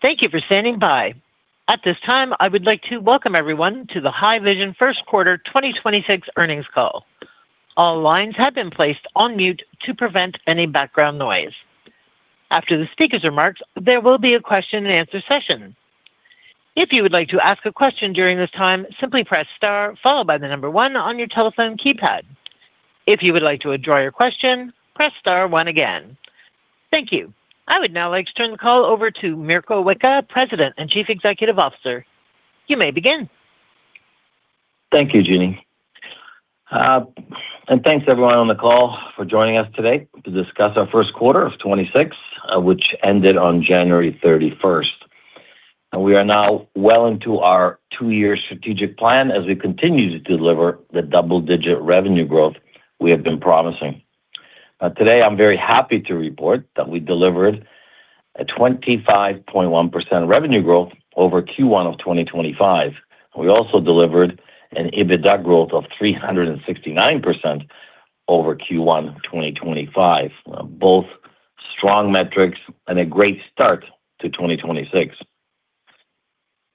Thank you for standing by. At this time, I would like to welcome everyone to the Haivision first quarter 2026 earnings call. All lines have been placed on mute to prevent any background noise. After the speaker's remarks, there will be a question and answer session. If you would like to ask a question during this time, simply press star followed by the number one on your telephone keypad. If you would like to withdraw your question, press star one again. Thank you. I would now like to turn the call over to Miroslav Wicha, President and Chief Executive Officer. You may begin. Thank you, Jeannie. Thanks everyone on the call for joining us today to discuss our first quarter of 2026, which ended on January 31st. We are now well into our two-year strategic plan as we continue to deliver the double-digit revenue growth we have been promising. Today I'm very happy to report that we delivered a 25.1% revenue growth over Q1 of 2025. We also delivered an EBITDA growth of 369% over Q1 2025. Both strong metrics and a great start to 2026.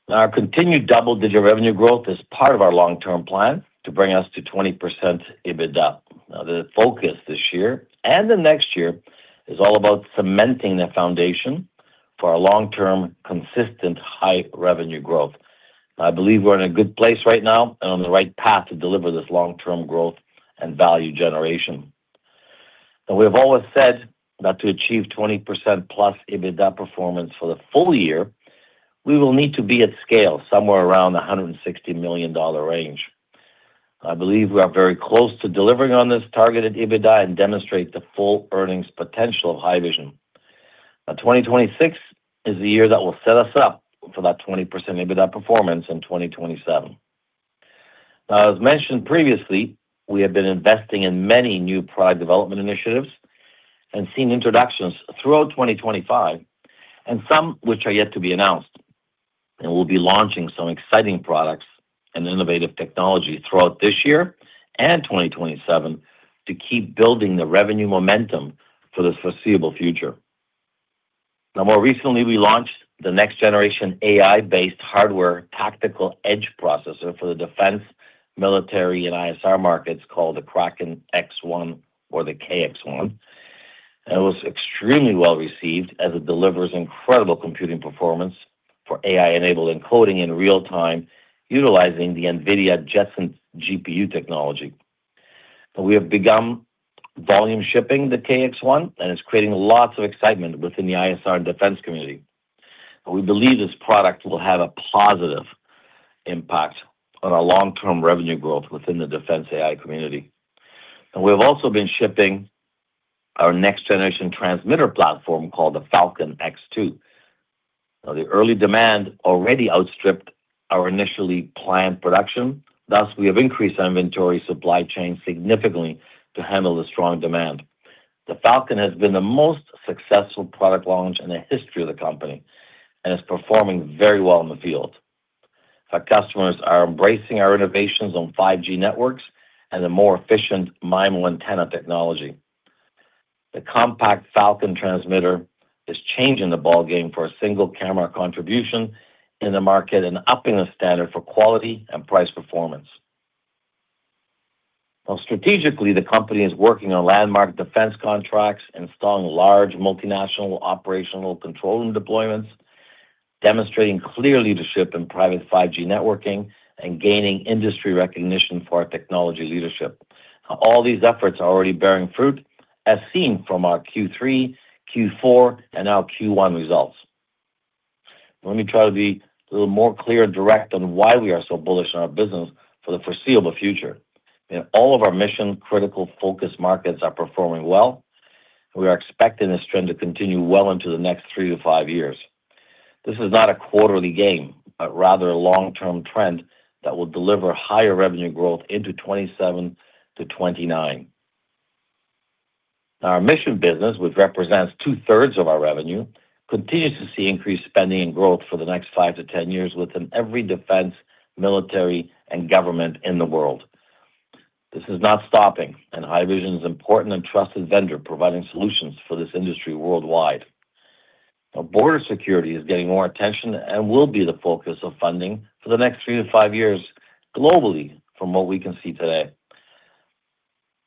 Our continued double-digit revenue growth is part of our long-term plan to bring us to 20% EBITDA. Now, the focus this year and the next year is all about cementing the foundation for our long-term, consistent high revenue growth. I believe we're in a good place right now and on the right path to deliver this long-term growth and value generation. We have always said that to achieve 20%+ EBITDA performance for the full year, we will need to be at scale somewhere around the 160 million dollar range. I believe we are very close to delivering on this targeted EBITDA and demonstrate the full earnings potential of Haivision. Now, 2026 is the year that will set us up for that 20% EBITDA performance in 2027. Now, as mentioned previously, we have been investing in many new product development initiatives and seen introductions throughout 2025 and some which are yet to be announced. We'll be launching some exciting products and innovative technology throughout this year and 2027 to keep building the revenue momentum for the foreseeable future. Now, more recently, we launched the next generation AI-based hardware tactical edge processor for the defense, military, and ISR markets called the Kraken X1 or the KX1. It was extremely well received as it delivers incredible computing performance for AI-enabled encoding in real time utilizing the NVIDIA Jetson GPU technology. We have begun volume shipping the KX1, and it's creating lots of excitement within the ISR defense community. We believe this product will have a positive impact on our long-term revenue growth within the defense AI community. We have also been shipping our next generation transmitter platform called the Falkon X2. Now, the early demand already outstripped our initially planned production. Thus, we have increased our inventory supply chain significantly to handle the strong demand. The Falkon X2 has been the most successful product launch in the history of the company and is performing very well in the field. Our customers are embracing our innovations on 5G networks and the more efficient MIMO antenna technology. The compact Falkon X2 transmitter is changing the ballgame for a single camera contribution in the market and upping the standard for quality and price performance. Now strategically, the company is working on landmark defense contracts, installing large multinational operational control room deployments, demonstrating clear leadership in private 5G networking, and gaining industry recognition for our technology leadership. All these efforts are already bearing fruit as seen from our Q3, Q4, and now Q1 results. Let me try to be a little more clear and direct on why we are so bullish on our business for the foreseeable future. All of our mission-critical focus markets are performing well. We are expecting this trend to continue well into the next three to five years. This is not a quarterly game, but rather a long-term trend that will deliver higher revenue growth into 2027-2029. Our mission business, which represents 2/3 Of our revenue, continues to see increased spending and growth for the next five to 10 years within every defense, military, and government in the world. This is not stopping, and Haivision is an important and trusted vendor providing solutions for this industry worldwide. Border security is getting more attention and will be the focus of funding for the next 3-5 years globally from what we can see today.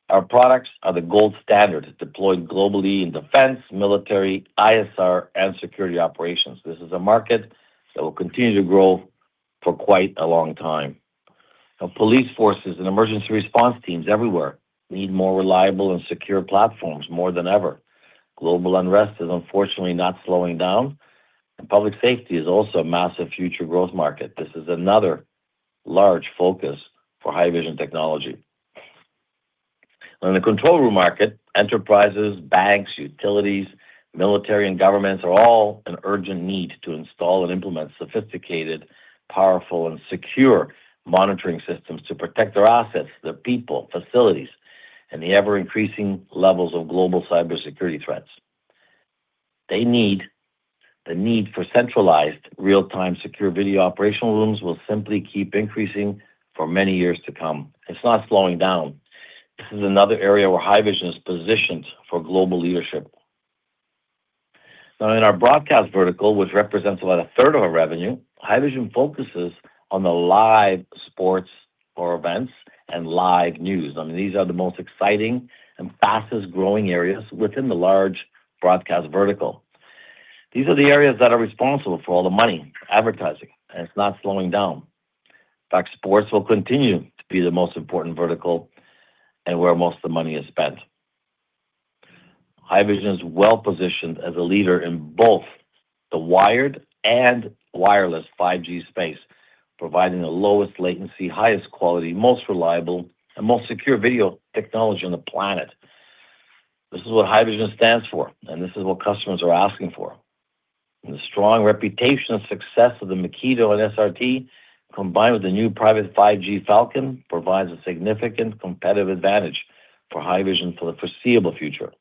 Our products are the gold standard deployed globally in defense, military, ISR, and security operations. This is a market that will continue to grow for quite a long time. Police forces and emergency response teams everywhere need more reliable and secure platforms more than ever. Global unrest is unfortunately not slowing down, and public safety is also a massive future growth market. This is another large focus for Haivision technology. In the control room market, enterprises, banks, utilities, military, and governments are all in urgent need to install and implement sophisticated, powerful, and secure monitoring systems to protect their assets, their people, facilities, and the ever-increasing levels of global cybersecurity threats. The need for centralized real-time secure video operational rooms will simply keep increasing for many years to come. It's not slowing down. This is another area where Haivision is positioned for global leadership. Now in our broadcast vertical, which represents about a third of our revenue, Haivision focuses on the live sports or events and live news. I mean, these are the most exciting and fastest-growing areas within the large broadcast vertical. These are the areas that are responsible for all the money, advertising, and it's not slowing down. In fact, sports will continue to be the most important vertical and where most of the money is spent. Haivision is well-positioned as a leader in both the wired and wireless 5G space, providing the lowest latency, highest quality, most reliable, and most secure video technology on the planet. This is what Haivision stands for, and this is what customers are asking for. The strong reputation and success of the Makito and SRT, combined with the new private 5G Falkon, provides a significant competitive advantage for Haivision for the foreseeable future.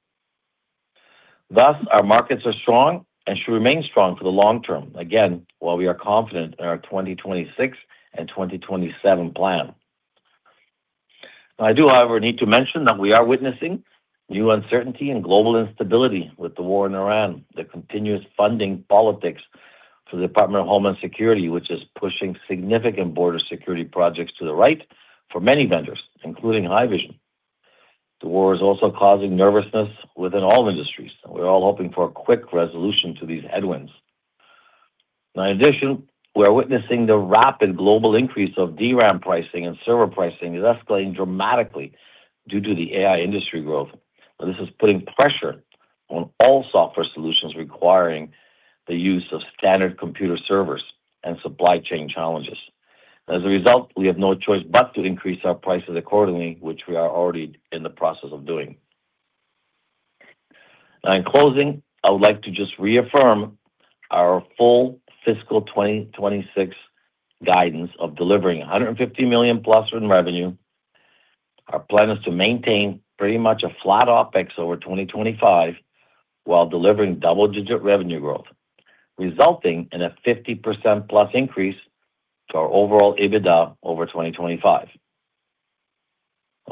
Thus, our markets are strong and should remain strong for the long term, again, while we are confident in our 2026 and 2027 plan. I do, however, need to mention that we are witnessing new uncertainty and global instability with the war in Ukraine, the continuous funding politics for the Department of Homeland Security, which is pushing significant border security projects to the right for many vendors, including Haivision. The war is also causing nervousness within all industries, and we're all hoping for a quick resolution to these headwinds. In addition, we are witnessing the rapid global increase of DRAM pricing and server pricing is escalating dramatically due to the AI industry growth. This is putting pressure on all software solutions requiring the use of standard computer servers and supply chain challenges. As a result, we have no choice but to increase our prices accordingly, which we are already in the process of doing. Now, in closing, I would like to just reaffirm our full fiscal 2026 guidance of delivering 150 million+ in revenue. Our plan is to maintain pretty much a flat OpEx over 2025 while delivering double-digit revenue growth, resulting in a 50%+ increase to our overall EBITDA over 2025.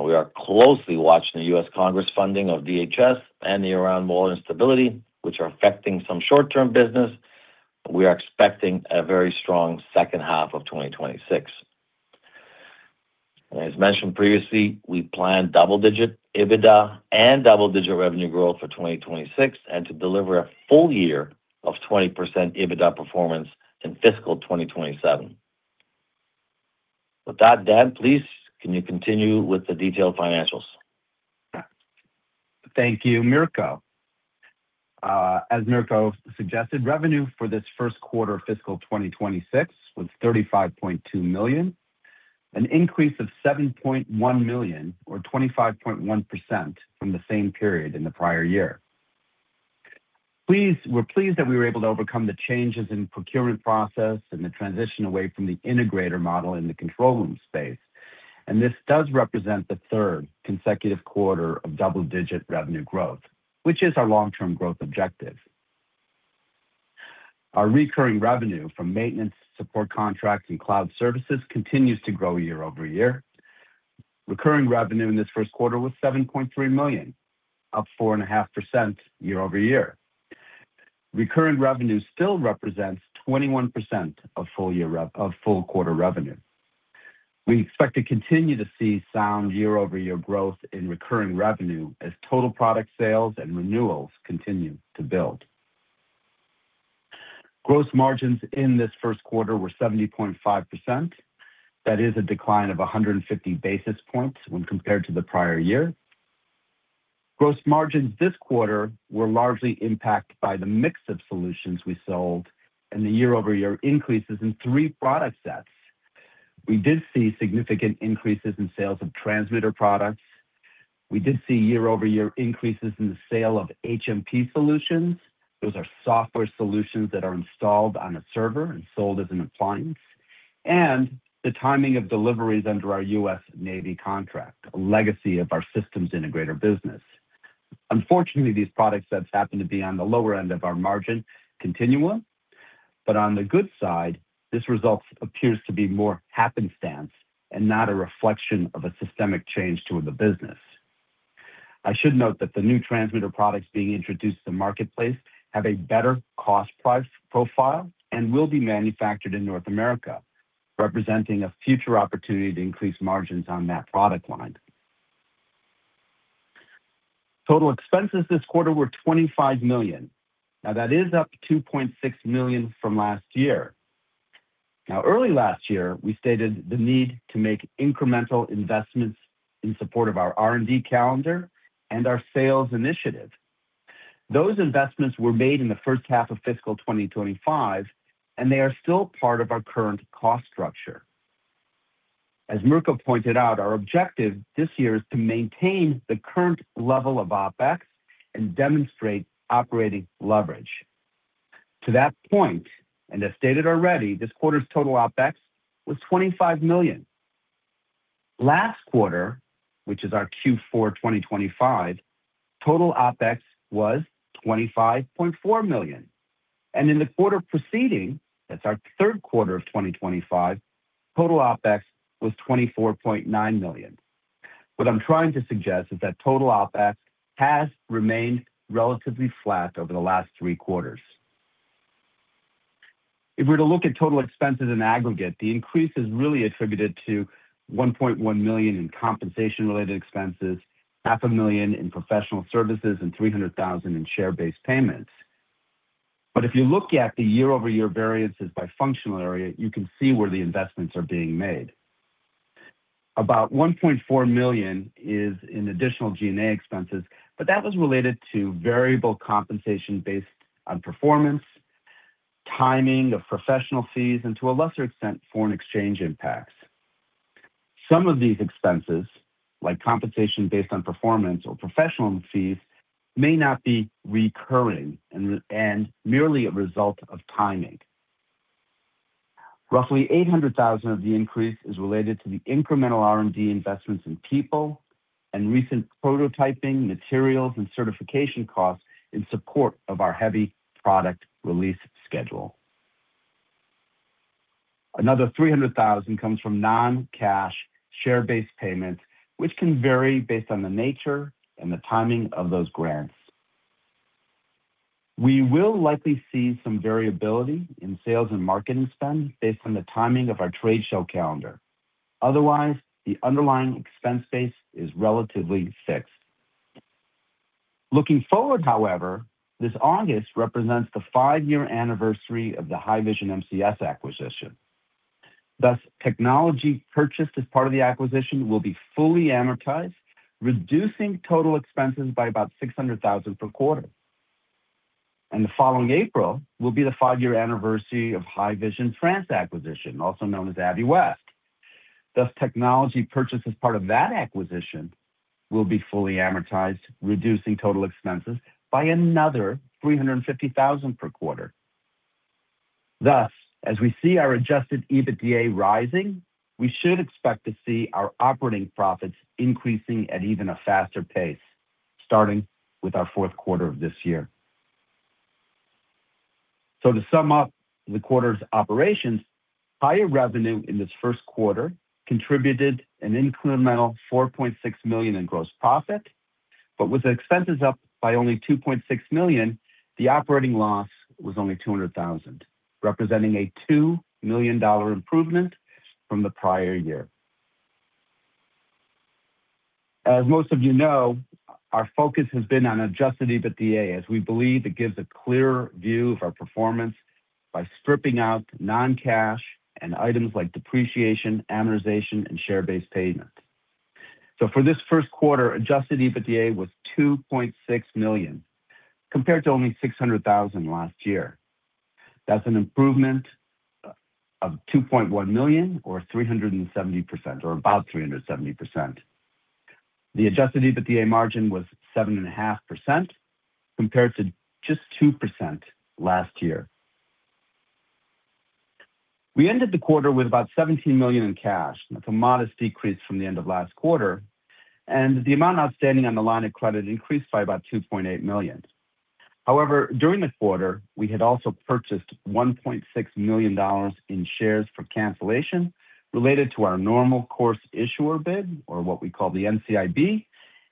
We are closely watching the U.S. Congress funding of DHS and the Ukraine war instability, which are affecting some short-term business. We are expecting a very strong second half of 2026. As mentioned previously, we plan double-digit EBITDA and double-digit revenue growth for 2026 and to deliver a full year of 20% EBITDA performance in fiscal 2027. With that, Dan, please, can you continue with the detailed financials? Thank you, Mirko. As Mirko suggested, revenue for this first quarter of fiscal 2026 was 35.2 million, an increase of 7.1 million or 25.1% from the same period in the prior year. We're pleased that we were able to overcome the changes in procurement process and the transition away from the integrator model in the control room space. This does represent the third consecutive quarter of double-digit revenue growth, which is our long-term growth objective. Our recurring revenue from maintenance, support contracts, and cloud services continues to grow year-over-year. Recurring revenue in this first quarter was 7.3 million, up 4.5% year-over-year. Recurring revenue still represents 21% of full quarter revenue. We expect to continue to see sound year-over-year growth in recurring revenue as total product sales and renewals continue to build. Gross margins in this first quarter were 70.5%. That is a decline of 150 basis points when compared to the prior year. Gross margins this quarter were largely impacted by the mix of solutions we sold and the year-over-year increases in three product sets. We did see significant increases in sales of transmitter products. We did see year-over-year increases in the sale of HMP solutions. Those are software solutions that are installed on a server and sold as an appliance. The timing of deliveries under our U.S. Navy contract, a legacy of our systems integrator business. Unfortunately, these product sets happen to be on the lower end of our margin continuum. On the good side, this result appears to be more happenstance and not a reflection of a systemic change to the business. I should note that the new transmitter products being introduced to the marketplace have a better cost price profile and will be manufactured in North America, representing a future opportunity to increase margins on that product line. Total expenses this quarter were 25 million. Now, that is up 2.6 million from last year. Now, early last year, we stated the need to make incremental investments in support of our R&D calendar and our sales initiative. Those investments were made in the first half of fiscal 2025, and they are still part of our current cost structure. As Mirko pointed out, our objective this year is to maintain the current level of OpEx and demonstrate operating leverage. To that point, and as stated already, this quarter's total OpEx was 25 million. Last quarter, which is our Q4 2025, total OpEx was 25.4 million. In the quarter preceding, that's our third quarter of 2025, total OpEx was 24.9 million. What I'm trying to suggest is that total OpEx has remained relatively flat over the last three quarters. If we're to look at total expenses in aggregate, the increase is really attributed to 1.1 million in compensation-related expenses, half a million in professional services, and 300,000 in share-based payments. If you look at the year-over-year variances by functional area, you can see where the investments are being made. About 1.4 million is in additional G&A expenses, but that was related to variable compensation based on performance, timing of professional fees, and to a lesser extent, foreign exchange impacts. Some of these expenses, like compensation based on performance or professional fees, may not be recurring and merely a result of timing. Roughly 800,000 of the increase is related to the incremental R&D investments in people and recent prototyping, materials, and certification costs in support of our heavy product release schedule. Another 300,000 comes from non-cash share-based payments, which can vary based on the nature and the timing of those grants. We will likely see some variability in sales and marketing spend based on the timing of our trade show calendar. Otherwise, the underlying expense base is relatively fixed. Looking forward, however, this August represents the five-year anniversary of the Haivision MCS acquisition. Thus, technology purchased as part of the acquisition will be fully amortized, reducing total expenses by about 600,000 per quarter. The following April will be the five-year anniversary of Haivision France acquisition, also known as Aviwest. Thus, technology purchased as part of that acquisition will be fully amortized, reducing total expenses by another 350,000 per quarter. Thus, as we see our adjusted EBITDA rising, we should expect to see our operating profits increasing at even a faster pace, starting with our fourth quarter of this year. To sum up the quarter's operations, higher revenue in this first quarter contributed an incremental 4.6 million in gross profit. With expenses up by only 2.6 million, the operating loss was only 200,000, representing a 2 million dollar improvement from the prior year. As most of you know, our focus has been on adjusted EBITDA, as we believe it gives a clearer view of our performance by stripping out non-cash and items like depreciation, amortization, and share-based payment. For this first quarter, adjusted EBITDA was 2.6 million, compared to only 600,000 last year. That's an improvement of 2.1 million or 370%, or about 370%. The adjusted EBITDA margin was 7.5%, compared to just 2% last year. We ended the quarter with about 17 million in cash. That's a modest decrease from the end of last quarter. The amount outstanding on the line of credit increased by about 2.8 million. However, during the quarter, we had also purchased 1.6 million dollars in shares for cancellation related to our normal course issuer bid, or what we call the NCIB,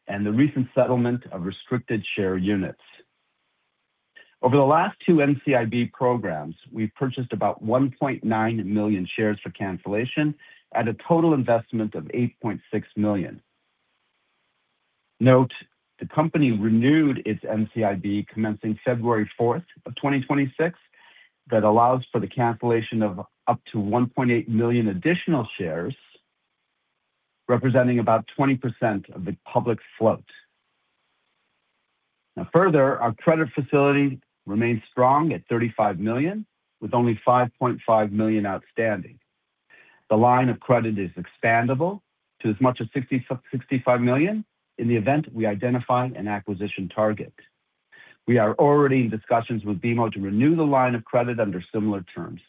and the recent settlement of restricted share units. Over the last two NCIB programs, we've purchased about 1.9 million shares for cancellation at a total investment of 8.6 million. Note, the company renewed its NCIB commencing February 4th, 2026 that allows for the cancellation of up to 1.8 million additional shares, representing about 20% of the public float. Now further, our credit facility remains strong at 35 million, with only 5.5 million outstanding. The line of credit is expandable to as much as 65 million in the event we identify an acquisition target. We are already in discussions with BMO to renew the line of credit under similar terms.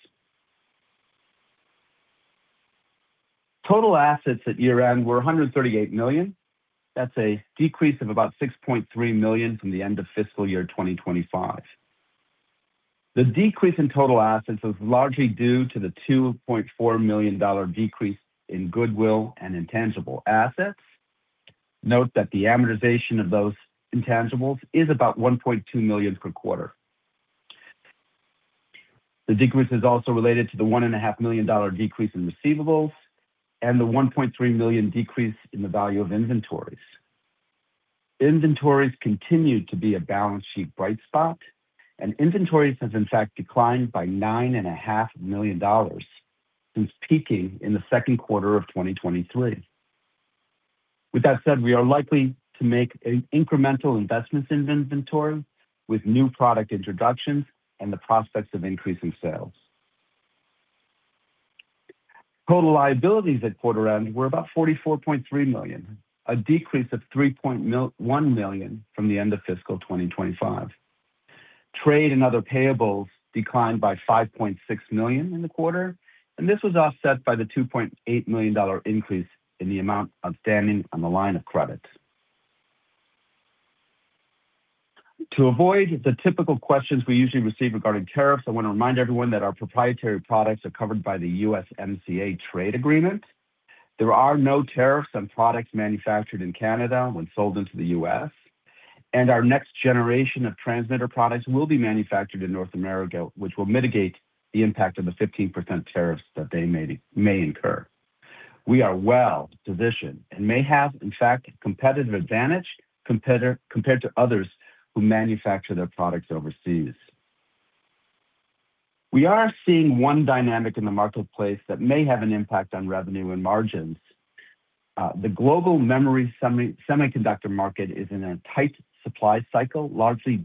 Total assets at year-end were 138 million. That's a decrease of about 6.3 million from the end of fiscal year 2025. The decrease in total assets is largely due to the 2.4 million dollar decrease in goodwill and intangible assets. Note that the amortization of those intangibles is about 1.2 million per quarter. The decrease is also related to the 1.5 million dollar decrease in receivables and the 1.3 million decrease in the value of inventories. Inventories continue to be a balance sheet bright spot, and inventories have in fact declined by 9.5 million dollars since peaking in the second quarter of 2023. With that said, we are likely to make incremental investments in inventory with new product introductions and the prospects of increasing sales. Total liabilities at quarter-end were about 44.3 million, a decrease of 3.1 million from the end of fiscal 2025. Trade and other payables declined by 5.6 million in the quarter, and this was offset by the 2.8 million-dollar increase in the amount outstanding on the line of credit. To avoid the typical questions we usually receive regarding tariffs, I want to remind everyone that our proprietary products are covered by the USMCA trade agreement. There are no tariffs on products manufactured in Canada when sold into the U.S., and our next generation of transmitter products will be manufactured in North America, which will mitigate the impact of the 15% tariffs that they may incur. We are well-positioned and may have, in fact, competitive advantage compared to others who manufacture their products overseas. We are seeing one dynamic in the marketplace that may have an impact on revenue and margins. The global memory semiconductor market is in a tight supply cycle, largely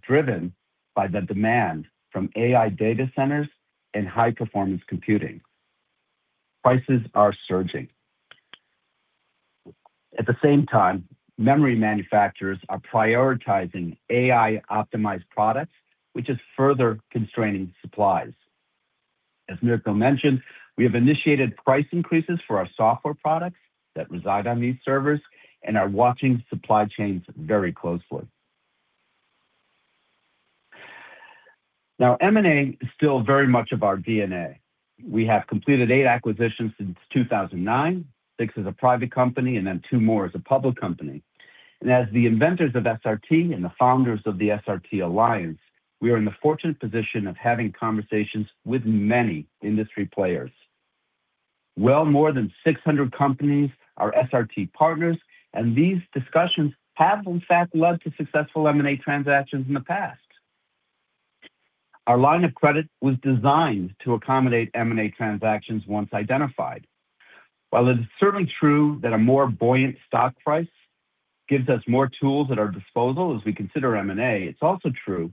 driven by the demand from AI data centers and high-performance computing. Prices are surging. At the same time, memory manufacturers are prioritizing AI-optimized products, which is further constraining supplies. As Mirko mentioned, we have initiated price increases for our software products that reside on these servers and are watching supply chains very closely. Now, M&A is still very much of our DNA. We have completed eight acquisitions since 2009, six as a private company, and then two more as a public company. As the inventors of SRT and the founders of the SRT Alliance, we are in the fortunate position of having conversations with many industry players. Well, more than 600 companies are SRT partners, and these discussions have in fact led to successful M&A transactions in the past. Our line of credit was designed to accommodate M&A transactions once identified. While it is certainly true that a more buoyant stock price gives us more tools at our disposal as we consider M&A, it's also true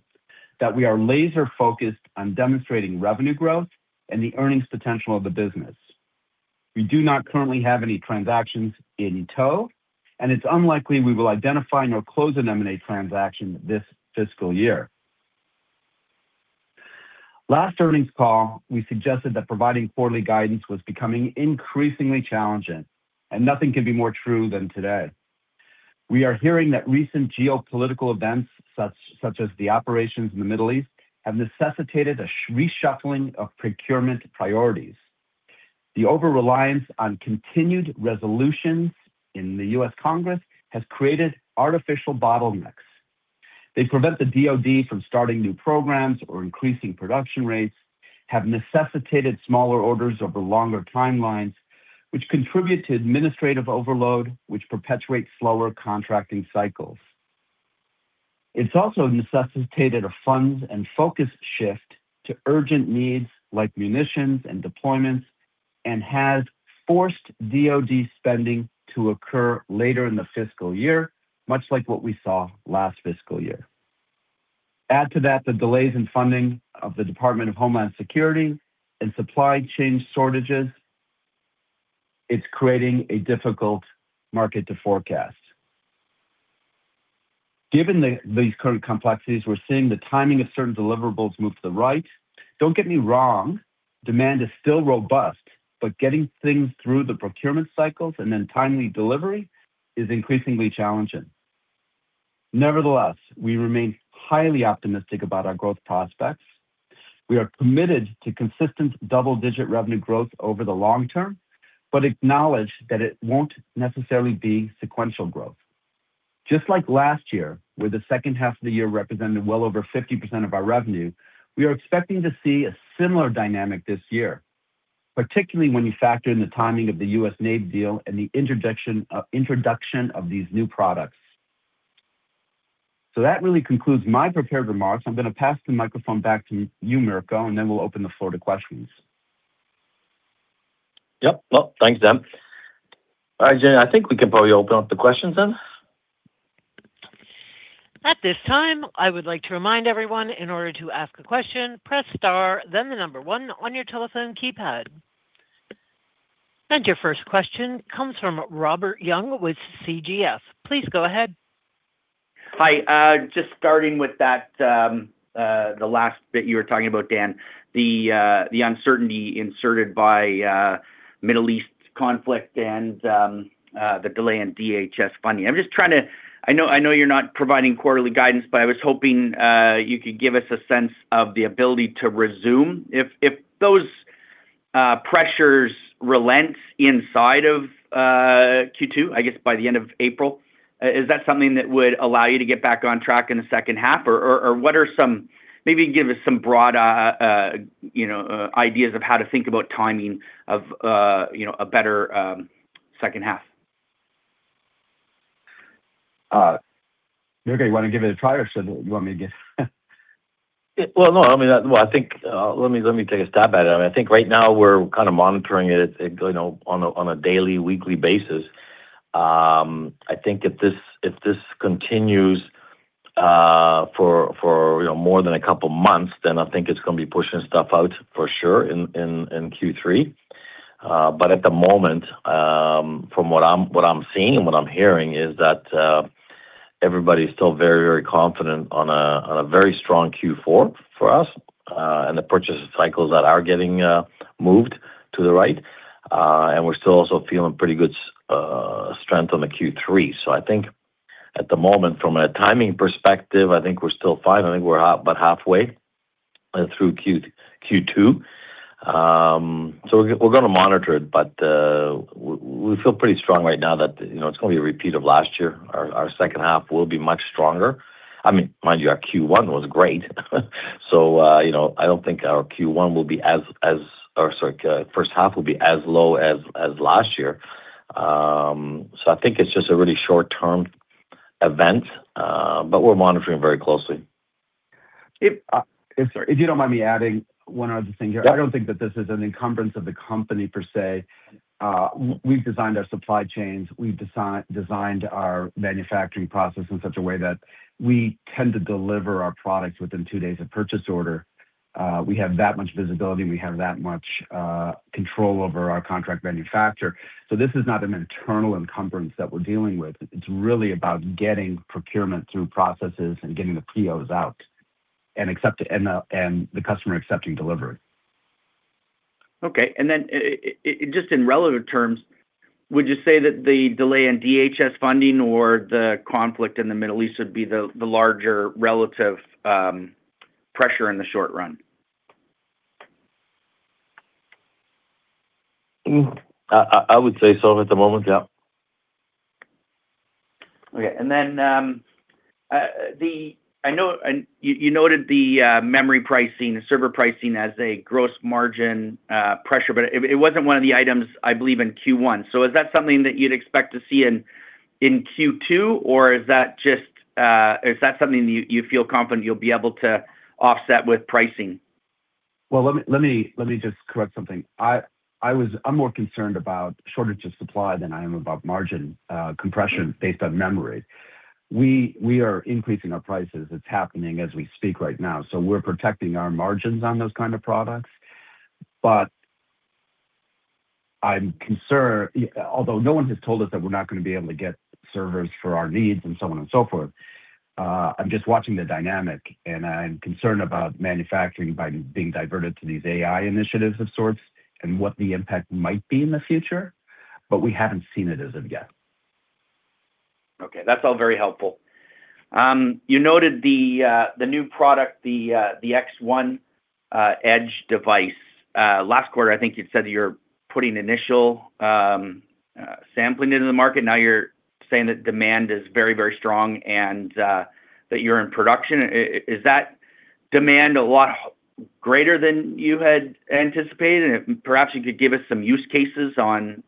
that we are laser-focused on demonstrating revenue growth and the earnings potential of the business. We do not currently have any transactions in tow, and it's unlikely we will identify nor close an M&A transaction this fiscal year. Last earnings call, we suggested that providing quarterly guidance was becoming increasingly challenging, and nothing could be more true than today. We are hearing that recent geopolitical events such as the operations in the Middle East have necessitated a reshuffling of procurement priorities. The overreliance on continued resolutions in the U.S. Congress has created artificial bottlenecks. They prevent the DoD from starting new programs or increasing production rates, have necessitated smaller orders over longer timelines, which contribute to administrative overload, which perpetuates slower contracting cycles. It's also necessitated a funds and focus shift to urgent needs like munitions and deployments, and has forced DoD spending to occur later in the fiscal year, much like what we saw last fiscal year. Add to that the delays in funding of the Department of Homeland Security and supply chain shortages, it's creating a difficult market to forecast. Given these current complexities, we're seeing the timing of certain deliverables move to the right. Don't get me wrong, demand is still robust, but getting things through the procurement cycles and then timely delivery is increasingly challenging. Nevertheless, we remain highly optimistic about our growth prospects. We are committed to consistent double-digit revenue growth over the long term, but acknowledge that it won't necessarily be sequential growth. Just like last year, where the second half of the year represented well over 50% of our revenue, we are expecting to see a similar dynamic this year, particularly when you factor in the timing of the U.S. Navy deal and the introduction of these new products. That really concludes my prepared remarks. I'm gonna pass the microphone back to you, Mirko, and then we'll open the floor to questions. Yep. Well, thanks, Dan. All right, Jenny, I think we can probably open up the questions then. At this time, I would like to remind everyone, in order to ask a question, press star then the number one on your telephone keypad. Your first question comes from Robert Young with Canaccord Genuity. Please go ahead. Hi. Just starting with that, the last bit you were talking about, Dan, the uncertainty inserted by Middle East conflict and the delay in DHS funding. I'm just trying to. I know you're not providing quarterly guidance, but I was hoping you could give us a sense of the ability to resume. If those pressures relent inside of Q2, I guess by the end of April, is that something that would allow you to get back on track in the second half, or what are some. Maybe give us some broad, you know, ideas of how to think about timing of, you know, a better second half. Mirko, you wanna give it a try, or you want me to give? Well, no. I mean, well, I think, let me take a stab at it. I mean, I think right now we're kind of monitoring it, you know, on a daily, weekly basis. I think if this continues for you know, more than a couple months, then I think it's gonna be pushing stuff out for sure in Q3. At the moment, from what I'm seeing and what I'm hearing is that, everybody is still very confident on a very strong Q4 for us. The purchase cycles that are getting moved to the right. We're still also feeling pretty good strength on the Q3. I think at the moment from a timing perspective, I think we're still fine. I think we're about halfway through Q2. We're gonna monitor it, but we feel pretty strong right now that, you know, it's gonna be a repeat of last year. Our second half will be much stronger. I mean, mind you, our Q1 was great. You know, I don't think our first half will be as low as last year. I think it's just a really short-term event, but we're monitoring very closely. If you don't mind me adding one other thing here. Yeah. I don't think that this is an encumbrance of the company per se. We've designed our supply chains, we've designed our manufacturing process in such a way that we tend to deliver our products within two days of purchase order. We have that much visibility, we have that much control over our contract manufacturer. This is not an internal encumbrance that we're dealing with. It's really about getting procurement through processes and getting the POs out and the customer accepting delivery. Okay. Just in relative terms, would you say that the delay in DHS funding or the conflict in the Middle East would be the larger relative pressure in the short run? I would say so at the moment. Yeah. You noted the memory pricing, the server pricing as a gross margin pressure, but it wasn't one of the items, I believe, in Q1. Is that something that you'd expect to see in Q2? Or is that just something you feel confident you'll be able to offset with pricing? Well, let me just correct something. I'm more concerned about shortage of supply than I am about margin compression based on memory. We are increasing our prices. It's happening as we speak right now, so we're protecting our margins on those kind of products. I'm concerned. Although no one has told us that we're not gonna be able to get servers for our needs and so on and so forth, I'm just watching the dynamic, and I'm concerned about manufacturing being diverted to these AI initiatives of sorts and what the impact might be in the future. We haven't seen it as of yet. Okay. That's all very helpful. You noted the new product, the Kraken X1 edge device. Last quarter, I think you said that you're putting initial sampling into the market. Now you're saying that demand is very, very strong and that you're in production. Is that demand a lot greater than you had anticipated? Perhaps you could give us some use cases on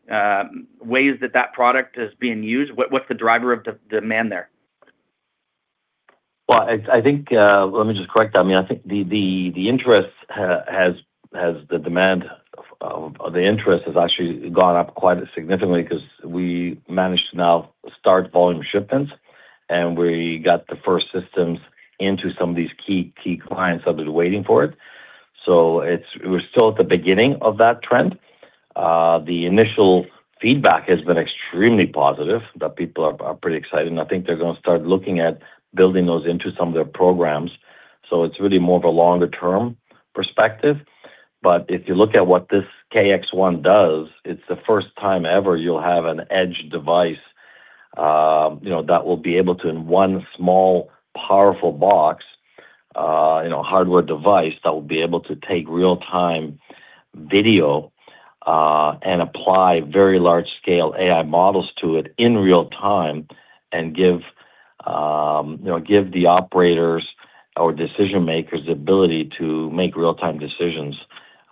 ways that that product is being used. What's the driver of demand there? Well, I think. Let me just correct that. I mean, I think the interest has actually gone up quite significantly 'cause we managed to now start volume shipments, and we got the first systems into some of these key clients that have been waiting for it. We're still at the beginning of that trend. The initial feedback has been extremely positive that people are pretty excited, and I think they're gonna start looking at building those into some of their programs. It's really more of a longer term perspective. If you look at what this Kraken X1 does, it's the first time ever you'll have an edge device, you know, that will be able to in one small powerful box, you know, hardware device that will be able to take real time video, and apply very large scale AI models to it in real time. Give, you know, the operators or decision makers the ability to make real time decisions,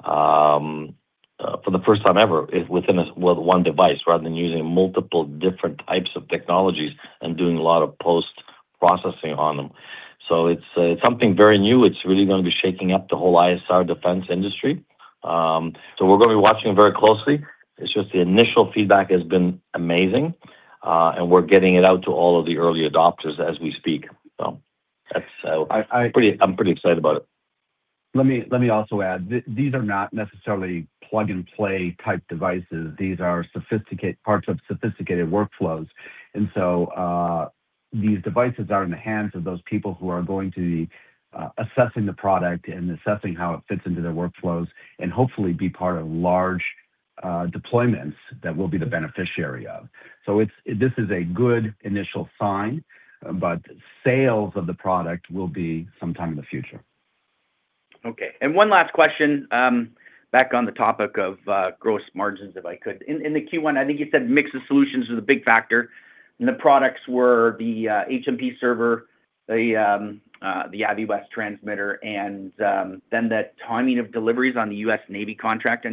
for the first time ever within a, well, one device rather than using multiple different types of technologies and doing a lot of post-processing on them. It's something very new. It's really gonna be shaking up the whole ISR defense industry. We're gonna be watching very closely. It's just the initial feedback has been amazing, and we're getting it out to all of the early adopters as we speak. That's I'm pretty excited about it. Let me also add. These are not necessarily plug-and-play type devices. These are sophisticated parts of sophisticated workflows. These devices are in the hands of those people who are going to be assessing the product and assessing how it fits into their workflows, and hopefully be part of large deployments that we'll be the beneficiary of. It's, this is a good initial sign, but sales of the product will be sometime in the future. Okay. One last question, back on the topic of gross margins, if I could. In the Q1, I think you said mix of solutions was a big factor, and the products were the HMP server, the Aviwest transmitter, and then the timing of deliveries on the U.S. Navy contract.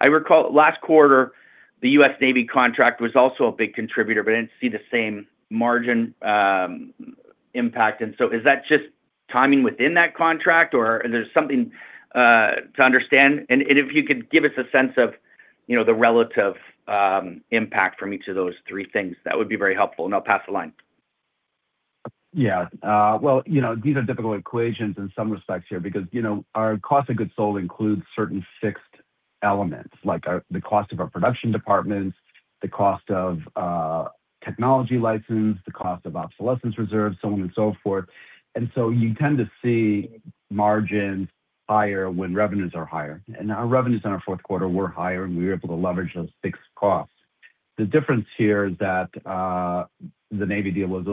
I recall last quarter, the U.S. Navy contract was also a big contributor, but I didn't see the same margin impact. Is that just timing within that contract, or there's something to understand? If you could give us a sense of you know, the relative impact from each of those three things, that would be very helpful, and I'll pass the line. Yeah. Well, you know, these are difficult equations in some respects here because, you know, our cost of goods sold includes certain fixed elements like the cost of our production departments, the cost of technology license, the cost of obsolescence reserves, so on and so forth. You tend to see margins higher when revenues are higher. Our revenues in our fourth quarter were higher, and we were able to leverage those fixed costs. The difference here is that, the Navy deal was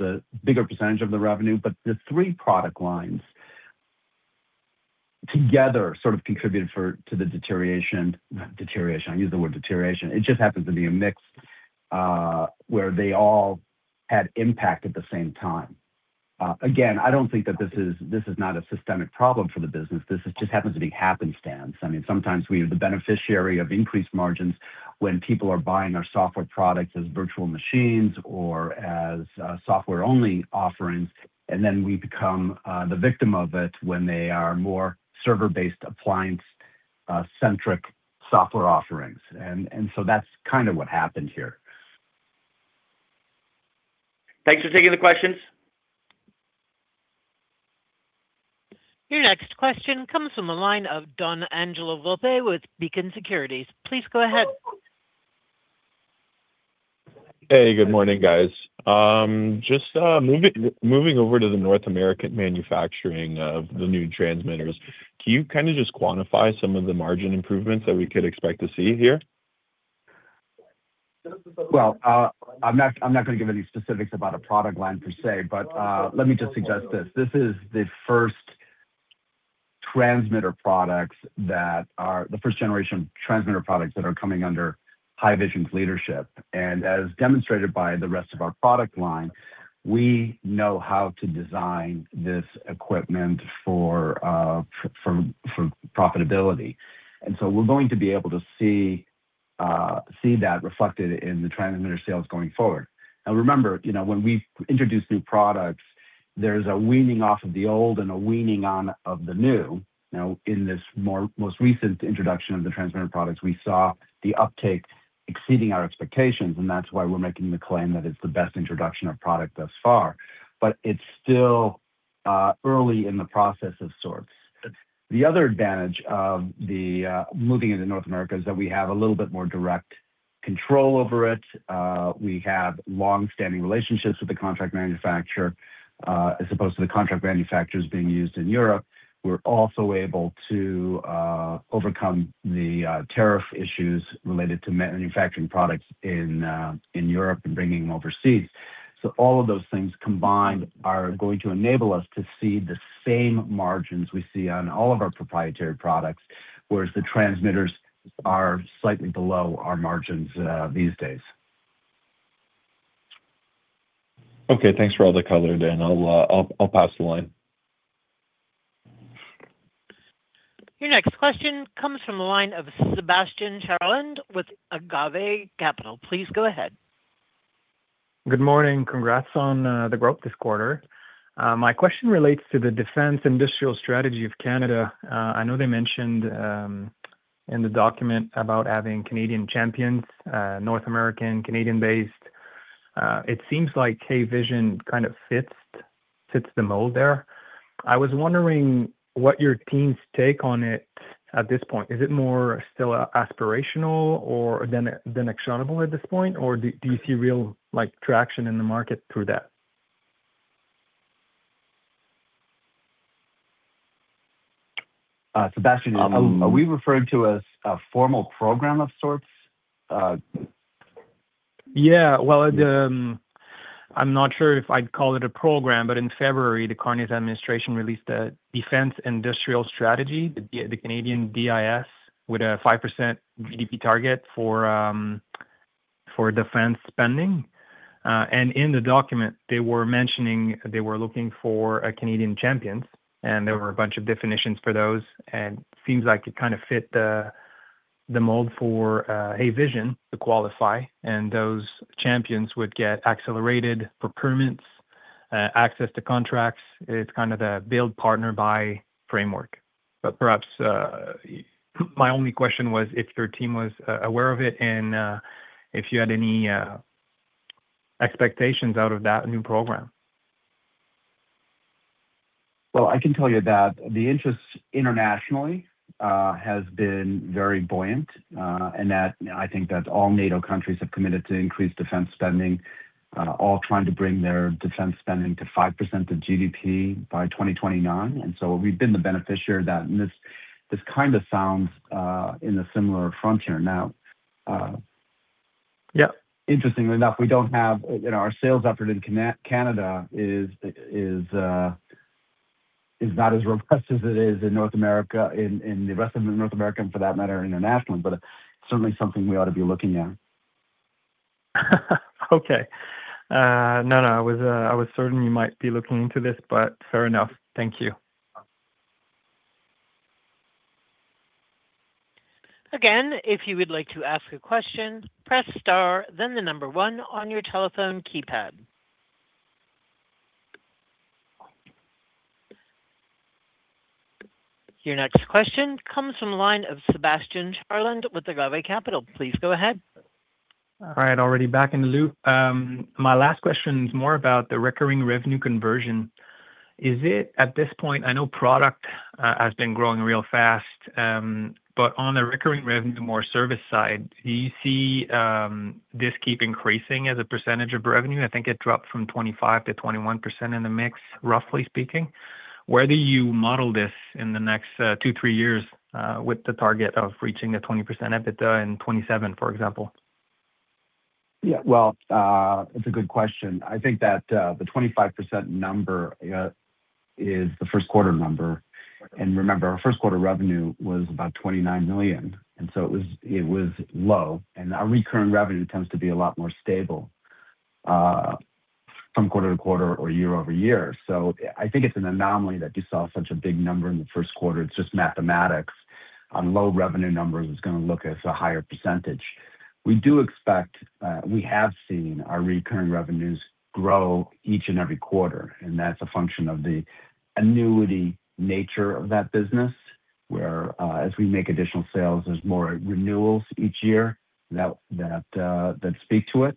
a bigger percentage of the revenue, but the three product lines together sort of contributed to the deterioration. Not deterioration. I use the word deterioration. It just happens to be a mix where they all had impact at the same time. Again, I don't think that this is not a systemic problem for the business. This just happens to be happenstance. I mean, sometimes we are the beneficiary of increased margins when people are buying our software products as virtual machines or as software-only offerings, and then we become the victim of it when they are more server-based appliance centric software offerings. That's kind of what happened here. Thanks for taking the questions. Your next question comes from the line of Donangelo Volpe with Beacon Securities. Please go ahead. Hey, good morning, guys. Just moving over to the North American manufacturing of the new transmitters, can you kind of just quantify some of the margin improvements that we could expect to see here? Well, I'm not gonna give any specifics about a product line per se, but let me just suggest this. This is the first transmitter products that are the first generation transmitter products that are coming under Haivision's leadership. As demonstrated by the rest of our product line, we know how to design this equipment for profitability. So we're going to be able to see that reflected in the transmitter sales going forward. Now remember, you know, when we introduce new products, there's a weaning off of the old and a weaning on of the new. Now, in this most recent introduction of the transmitter products, we saw the uptake exceeding our expectations, and that's why we're making the claim that it's the best introduction of product thus far. It's still early in the process of sorts. The other advantage of the moving into North America is that we have a little bit more direct control over it. We have long-standing relationships with the contract manufacturer, as opposed to the contract manufacturers being used in Europe. We're also able to overcome the tariff issues related to manufacturing products in Europe and bringing them overseas. All of those things combined are going to enable us to see the same margins we see on all of our proprietary products, whereas the transmitters are slightly below our margins these days. Okay. Thanks for all the color, Dan. I'll pass the line. Your next question comes from the line of Sebastien Charland with Agave Capital. Please go ahead. Good morning. Congrats on the growth this quarter. My question relates to the defense industrial strategy of Canada. I know they mentioned in the document about having Canadian champions, North American, Canadian-based. It seems like Haivision kind of fits the mold there. I was wondering what your team's take on it at this point. Is it more still aspirational than actionable at this point, or do you see real, like, traction in the market through that? Sebastien, are we referring to a formal program of sorts? I'm not sure if I'd call it a program, but in February, the Carney's administration released a defense industrial strategy, the Canadian DIS, with a 5% GDP target for defense spending. In the document, they were mentioning they were looking for Canadian champions, and there were a bunch of definitions for those. Seems like it kind of fit the mold for Haivision to qualify, and those champions would get accelerated permits, access to contracts. It's kind of the build, partner, buy framework. Perhaps my only question was if your team was aware of it and if you had any expectations out of that new program. Well, I can tell you that the interest internationally has been very buoyant, and that I think that all NATO countries have committed to increase defense spending, all trying to bring their defense spending to 5% of GDP by 2029. We've been the beneficiary of that. This kind of sounds in a similar frontier. Now, Yep Interestingly enough, we don't have. You know, our sales effort in Canada is not as robust as it is in North America, in the rest of North America for that matter, internationally. It's certainly something we ought to be looking at. Okay. No, no, I was certain you might be looking into this, but fair enough. Thank you. Again, if you would like to ask a question, press star then the number one on your telephone keypad. Your next question comes from the line of Sebastien Charland with Agave Capital. Please go ahead. All right, already back in the loop. My last question is more about the recurring revenue conversion. Is it at this point, I know product has been growing real fast, but on the recurring revenue, more service side, do you see this keep increasing as a percentage of revenue? I think it dropped from 25% to 21% in the mix, roughly speaking. Where do you model this in the next two, three years, with the target of reaching a 20% EBITDA in 2027, for example? Yeah. Well, it's a good question. I think that the 25% number is the first quarter number. Remember, our first quarter revenue was about 29 million, so it was low. Our recurring revenue tends to be a lot more stable from quarter-to-quarter or year-over-year. I think it's an anomaly that you saw such a big number in the first quarter. It's just mathematics on low revenue numbers. It's gonna look like a higher percentage. We do expect, we have seen our recurring revenues grow each and every quarter, and that's a function of the annuity nature of that business, where as we make additional sales, there's more renewals each year that speak to it.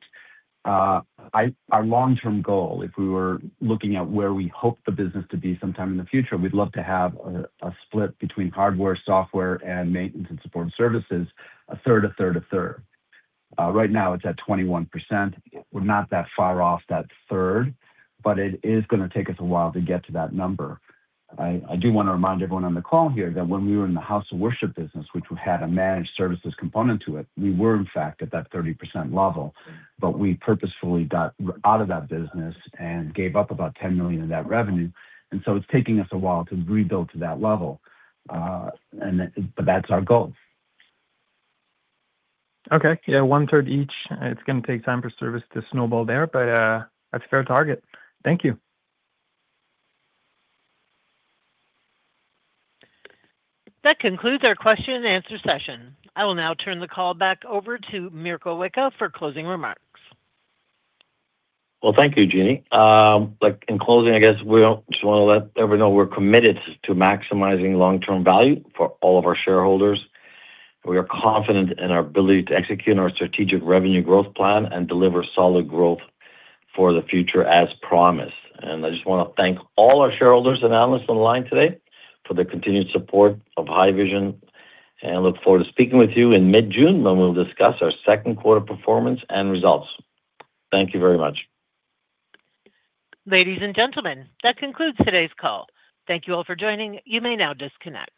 Our long-term goal, if we were looking at where we hope the business to be sometime in the future, we'd love to have a split between hardware, software, and maintenance and support services, a third, a third, a third. Right now it's at 21%. We're not that far off that third, but it is gonna take us a while to get to that number. I do wanna remind everyone on the call here that when we were in the house of worship business, which we had a managed services component to it, we were in fact at that 30% level, but we purposefully got out of that business and gave up about 10 million of that revenue. It's taking us a while to rebuild to that level, but that's our goal. Okay. Yeah. 1/3 each. It's gonna take time for service to snowball there, but that's a fair target. Thank you. That concludes our question and answer session. I will now turn the call back over to Miroslav Wicha for closing remarks. Well, thank you, Jeannie. Look, in closing, I guess we just wanna let everyone know we're committed to maximizing long-term value for all of our shareholders. We are confident in our ability to execute our strategic revenue growth plan and deliver solid growth for the future as promised. I just wanna thank all our shareholders and analysts on the line today for their continued support of Haivision, and look forward to speaking with you in mid-June when we'll discuss our second quarter performance and results. Thank you very much. Ladies and gentlemen, that concludes today's call. Thank you all for joining. You may now disconnect.